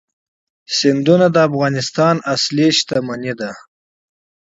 سیندونه د افغانستان طبعي ثروت دی.